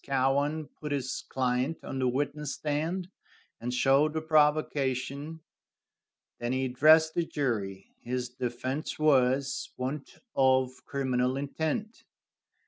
Cowan put his client on the witness stand, and showed the provocation. Then he addressed the jury. His defense was, want of criminal intent.